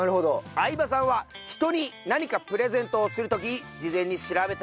相葉さんは人に何かプレゼントをする時事前に調べたりしますか？